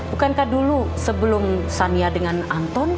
bukankah dulu sebelum sania dengan anton